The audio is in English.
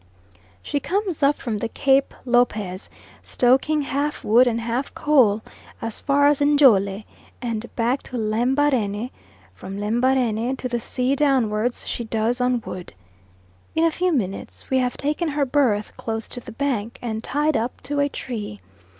She comes up from the Cape (Lopez) stoking half wood and half coal as far as Njole and back to Lembarene; from Lembarene to the sea downwards she does on wood. In a few minutes we have taken her berth close to the bank, and tied up to a tree.